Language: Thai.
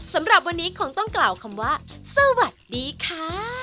สำหรับวันนี้คงต้องกล่าวคำว่าสวัสดีค่ะ